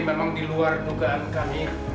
memang diluar dugaan kami